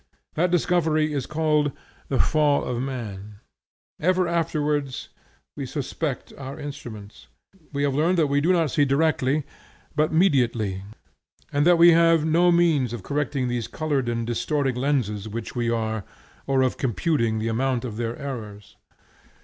That discovery is called the Fall of Man. Ever afterwards we suspect our instruments. We have learned that we do not see directly, but mediately, and that we have no means of correcting these colored and distorting lenses which we are, or of computing the amount of their errors.